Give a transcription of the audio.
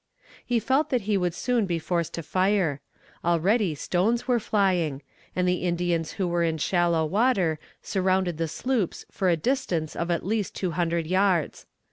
"He felt that he would soon be forced to fire. Already stones were flying; and the Indians who were in shallow water surrounded the sloops for a distance of at least two hundred yards.